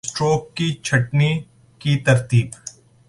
stroke کی چھٹنی کی ترتیب